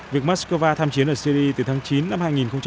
việc moskova tham chiến ở syri từ tháng chín năm hai nghìn một mươi năm